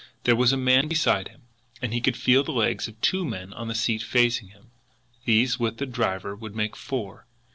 There was a man beside him, and he could feel the legs of two men on the seat facing him. These, with the driver, would make four.